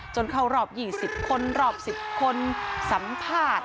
เข้ารอบ๒๐คนรอบ๑๐คนสัมภาษณ์